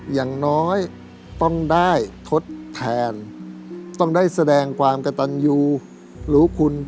อย่างน้อยต้องได้ทดแทนต้องได้แสดงความกระตันยูรู้คุณ